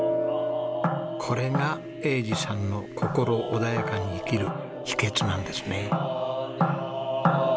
これが栄治さんの心穏やかに生きる秘訣なんですね。